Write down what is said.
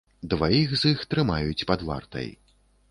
Дваіх з іх трымаюць пад вартай.